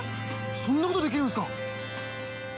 そんなことできるんすか！？